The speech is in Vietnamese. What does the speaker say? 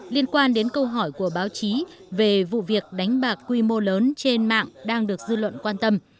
liên quan đến câu hỏi của báo chí về vụ việc đánh bạc quy mô lớn trên mạng đang được dư luận quan tâm